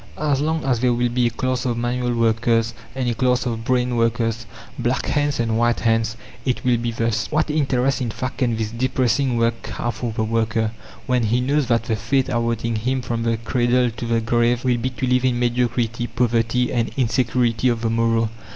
As long as there will be a class of manual workers and a class of "brain" workers, black hands and white hands, it will be thus. What interest, in fact, can this depressing work have for the worker, when he knows that the fate awaiting him from the cradle to the grave will be to live in mediocrity, poverty, and insecurity of the morrow?